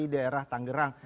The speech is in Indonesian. atau di daerah tangerang